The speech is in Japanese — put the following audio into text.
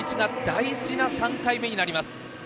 大事な３回目になります。